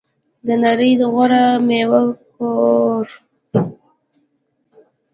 د نړۍ د غوره میوو کور.